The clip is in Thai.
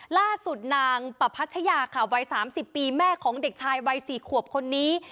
ล่าสุดนางประพัชยาค่ะวัย๓๐ปีแม่ของเด็กชายวัย๔ขวบคนนี้